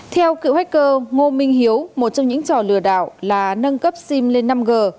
theo cựu hacker ngô minh hiếu một trong những trò lừa đảo là nâng cấp sim lên năm g